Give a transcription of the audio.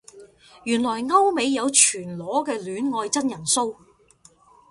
原來歐美有全裸嘅戀愛真人騷